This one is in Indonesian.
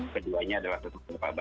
keduanya adalah tetap berpabah